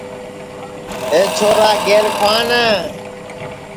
اے چھورا گیر کُھوان